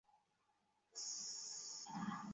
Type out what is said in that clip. তিনি সন্তান-সন্ততিদের জন্য ওয়াকফ করে যান।